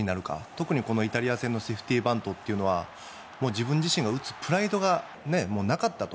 特に、イタリア戦のセーフティーバントというのは自分自身が打つプライドはなかったと。